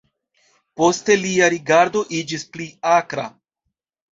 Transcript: Poste lia rigardo iĝis pli akra.